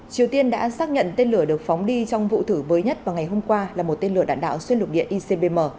triều tiên đã xác nhận tên lửa được phóng đi trong vụ thử mới nhất vào ngày hôm qua là một tên lửa đạn đạo xuyên lục địa icbm